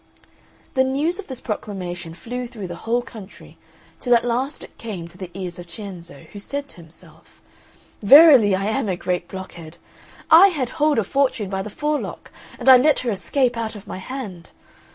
The news of this proclamation flew through the whole country, till at last it came to the ears of Cienzo, who said to himself, "Verily, I am a great blockhead! I had hold of Fortune by the forelock, and I let her escape out of my hand.